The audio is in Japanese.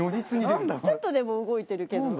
ちょっとでも動いてるけど違うんだ。